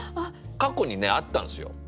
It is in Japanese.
過去にねあったんですよ。